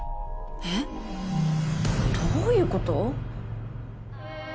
えっどういうこと？